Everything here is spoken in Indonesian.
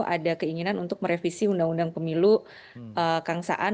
ada keinginan untuk merevisi undang undang pemilu kang saan